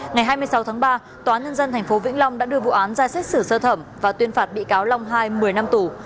ngày hai mươi sáu tháng ba tòa nhân dân tp vĩnh long đã đưa vụ án ra xét xử sơ thẩm và tuyên phạt bị cáo long hai một mươi năm tù